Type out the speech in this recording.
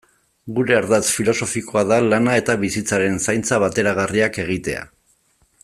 Gure ardatz filosofikoa da lana eta bizitzaren zaintza bateragarriak egitea.